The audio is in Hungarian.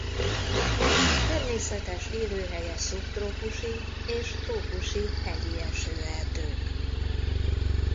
Természetes élőhelye szubtrópusi és trópusi hegyi esőerdők.